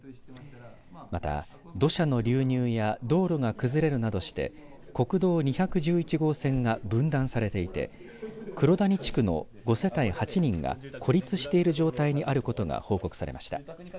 また、土砂の流入や道路が崩れるなどして国道２１１号線が分断されていて黒谷地区の５世帯８人が孤立している状態にあることが報告されました。